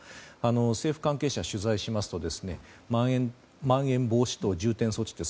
政府関係者を取材しますとまん延防止等重点措置